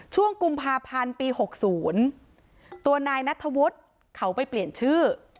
ช่วงกุมภาพันธ์ปี๖๐ตัวนายนัทธวุฒิเขาไปเปลี่ยนชื่อ